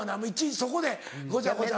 そこでごちゃごちゃ。